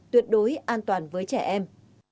tuyệt đối an toàn với trẻ em